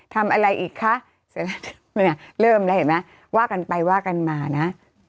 ทำอะไรอีกคะเสร็จแล้วเริ่มแล้วเห็นไหมว่ากันไปว่ากันมานะ